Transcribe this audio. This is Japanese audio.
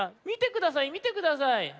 みてくださいみてください。